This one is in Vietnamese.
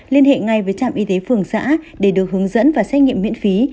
liên hệ ngay với trạm y tế phường xã để được hướng dẫn và xét nghiệm miễn phí